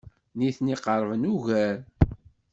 Nitni qerben ugar.